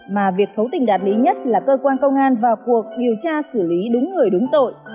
mà việc thấu tình đạt lý nhất là cơ quan công an vào cuộc điều tra xử lý đúng người đúng tội